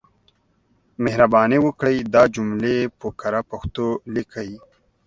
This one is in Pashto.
مهرباني وکړئ دا جملې په کره پښتو ليکئ.